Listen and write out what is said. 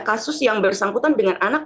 kasus yang bersangkutan dengan anak